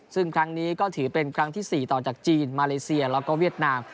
ซึ่งครั้งนี้ก็ถือเป็นครั้งที่๔ต่อจากจีนมาเลเซียแล้วก็เวียดนาม